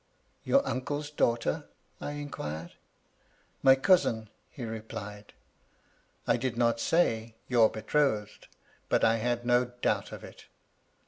"* Your uncle's daughter ?' I inquired. My cousin,' he replied. " I did not say, ' your betrothed,' but I had no doubt of it.